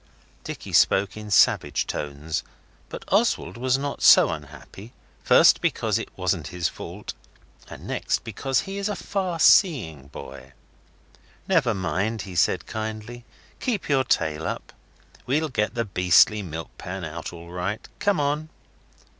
Dicky spoke in savage tones. But Oswald was not so unhappy, first because it wasn't his fault, and next because he is a far seeing boy. 'Never mind,' he said kindly. 'Keep your tail up. We'll get the beastly milk pan out all right. Come on.